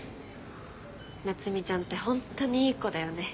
夏海ちゃんってホントにいい子だよね。